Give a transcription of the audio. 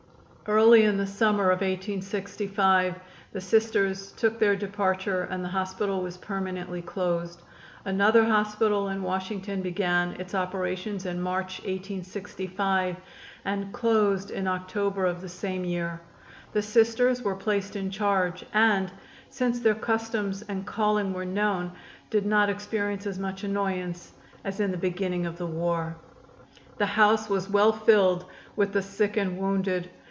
Early in the summer of 1865 the Sisters took their departure and the hospital was permanently closed. Another hospital in Washington began its operations in March, 1865, and closed in October of the same year. The Sisters were placed in charge, and, since their customs and calling were known, did not experience as much annoyance as in the beginning of the war. The house was well filled with the sick and wounded.